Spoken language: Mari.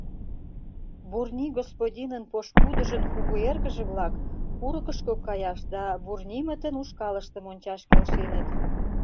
Бурни господинын пошкудыжын кугу эргыже-влак курыкышко каяш да Бурнимытын ушкалыштым ончаш келшеныт.